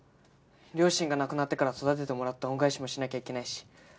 両親が亡くなってから育ててもらった恩返しもしなきゃいけないし。